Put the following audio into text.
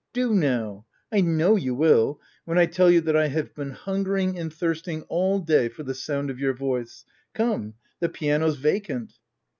w Do now ! I know you will, when I tell you that I have been hungering and thirsting all day, for the sound of your voice. Come ! the piano's vacant."